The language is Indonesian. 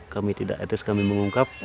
kami tidak mengungkap